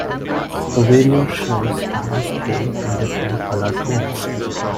The video shows Hamasaki in different colored rooms.